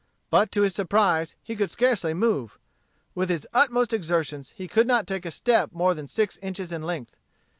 But to his surprise he could scarcely move. With his utmost exertions he could not take a step more than six inches in length.